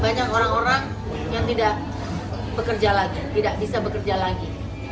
tidak bisa bekerja lagi